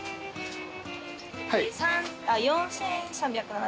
４，３７０。